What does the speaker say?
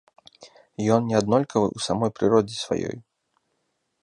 Ён не аднолькавы ў самой прыродзе сваёй.